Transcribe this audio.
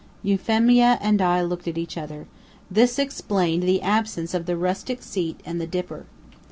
Euphemia and I looked at each other. This explained the absence of the rustic seat and the dipper.